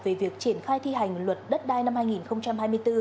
về việc triển khai thi hành luật đất đai năm hai nghìn hai mươi bốn